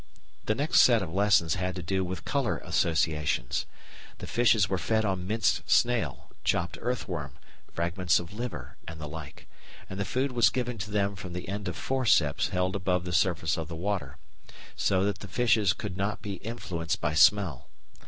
The next set of lessons had to do with colour associations. The fishes were fed on minced snail, chopped earthworm, fragments of liver, and the like, and the food was given to them from the end of forceps held above the surface of the water, so that the fishes could not be influenced by smell.